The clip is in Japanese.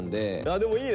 でもいいね。